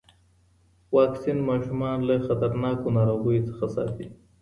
واکسین ماشومان له خطرناکو ناروغیو څخه ساتي.